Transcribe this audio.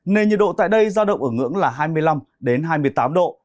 nên nhiệt độ tại đây ra động ở ngưỡng là hai mươi năm hai mươi tám độ